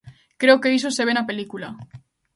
Creo que iso se ve na película.